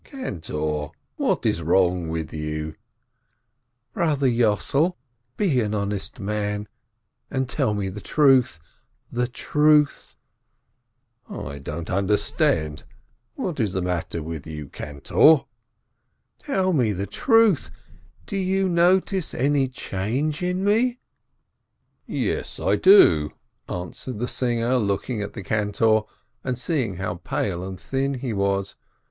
"Cantor, what is wrong with you ?" "Brother Yossel, be an honest man, and tell me the truth, the truth !" "I don't understand! What is the matter with you, cantor ?" "Tell me the truth: Do you notice any change in me?" LOST HIS VOICE 413 "Yes, I do," answered the singer, looking at the cantor, and seeing how pale and thin he was.